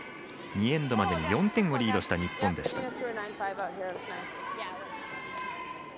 ２エンドまでに４点をリードした日本でした。